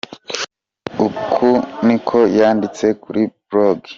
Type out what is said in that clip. " Uku niko yanditse kuri blog.